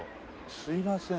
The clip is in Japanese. すみません。